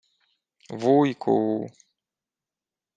— Вуйку...